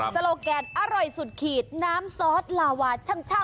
โลแกนอร่อยสุดขีดน้ำซอสลาวาช่ำ